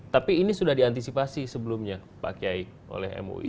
tapi ini sudah diantisipasi sebelumnya pak kiai oleh mui